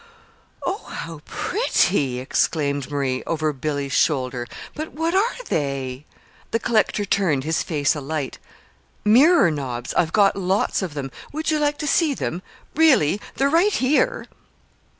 "Oh, how pretty!" exclaimed Marie, over Billy's shoulder. "But what are they?" The collector turned, his face alight. "Mirror knobs. I've got lots of them. Would you like to see them really? They're right here."